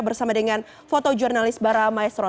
bersama dengan fotojurnalis bara maestro